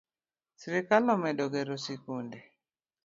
Sirikal omedo gero sikunde.